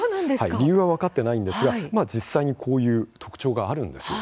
理由は分かっていないんですが実際にこういう特徴があるんです。